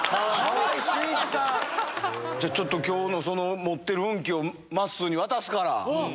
じゃあ、ちょっときょうの持ってる運気をまっすーに渡すから。